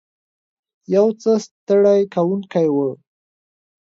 یو څه ستړې کوونکې وه.